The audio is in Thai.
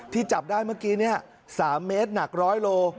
จับได้เมื่อกี้๓เมตรหนัก๑๐๐โล